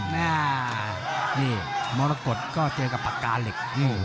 แม่นี่มรกฏก็เจอกับปากกาเหล็ก